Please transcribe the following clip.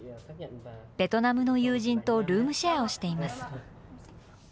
ベトナムの友人とルームシェアをしています。